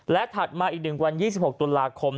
และถัดมาอีก๑วัน๒๖ตุลาคม